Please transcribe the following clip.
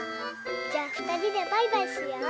じゃあふたりでバイバイしよう。